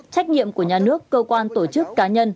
trách nhiệm của nhà nước cơ quan tổ chức cá nhân